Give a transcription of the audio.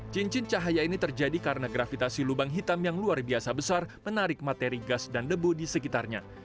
cincin cahaya ini terjadi karena gravitasi lubang hitam yang luar biasa besar menarik materi gas dan debu di sekitarnya